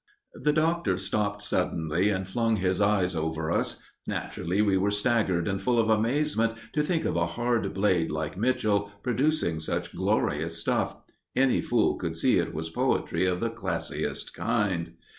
The Doctor stopped suddenly and flung his eyes over us. Naturally we were staggered and full of amazement to think of a hard blade like Mitchell producing such glorious stuff. Any fool could see it was poetry of the classiest kind.